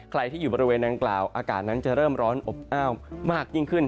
ใครที่อยู่บริเวณนางกล่าวอากาศนั้นจะเริ่มร้อนอบอ้าวมากยิ่งขึ้น